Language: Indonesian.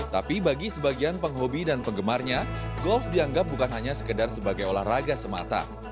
tapi bagi sebagian penghobi dan penggemarnya golf dianggap bukan hanya sekedar sebagai olahraga semata